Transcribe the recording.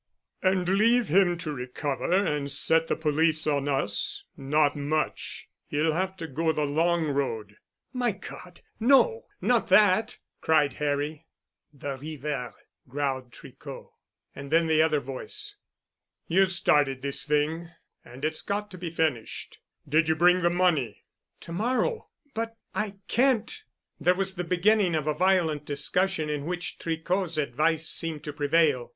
"And leave him to recover and set the police on us? Not much. He'll have to go the long road." "My God! No. Not that!" cried Harry. "The river!" growled Tricot. And then the other voice. "You started this thing. And it's got to be finished. Did you bring the money?" "To morrow. But—I can't——" There was the beginning of a violent discussion in which Tricot's advice seemed to prevail.